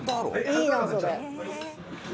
いいなそれ。